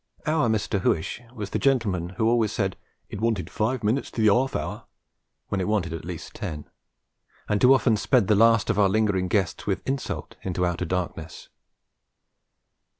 Our Mr. Huish was the gentleman who always said it wanted five minutes to the 'alf hour when it wanted at least ten, and too often sped the last of our lingering guests with insult into outer darkness.